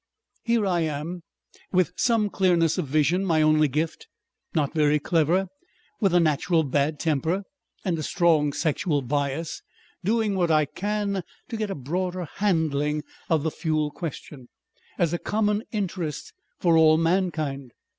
"Here I am with some clearness of vision my only gift; not very clever, with a natural bad temper, and a strong sexual bias, doing what I can to get a broader handling of the fuel question as a common interest for all mankind.